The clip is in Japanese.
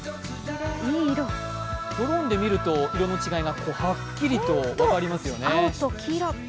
ドローンで見ると色の違いがはっきりと分かりますよね。